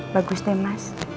bagus deh mas